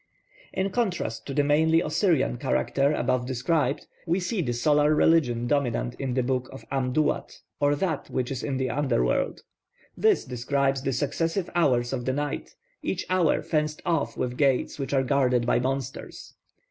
In contrast to the mainly Osirian character above described, we see the solar religion dominant in the Book of Am Duat, or that which is in the underworld. This describes the successive hours of the night, each hour fenced off with gates which are guarded by monsters.